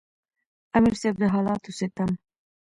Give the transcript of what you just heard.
امیر صېب د حالاتو ستم،